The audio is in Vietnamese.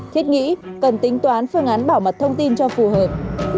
thiết nghĩ cần tính toán phương án bảo mật thông tin cho phù hợp